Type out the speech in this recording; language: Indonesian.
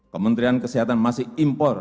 kementerian kesehatan masih impor